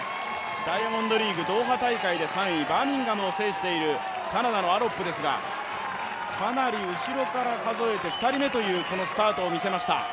ダイヤモンドリーグドーハ大会で３位、バーミンガムを制しているカナダのアロップですが、後ろから数えて２人目というスタートを見せました。